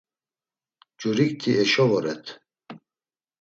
Jurikti eşo voret.